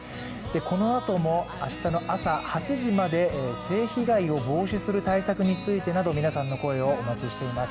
このあとも明日の朝８時まで性被害を防止する対策についてなど皆さんの声をお待ちしています。